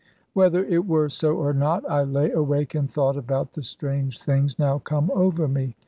Whether it were so or not, I lay awake and thought about the strange things now come over me.